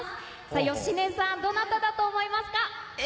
芳根さん、どなただと思いますか？